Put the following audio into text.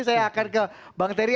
saya akan ke bang terry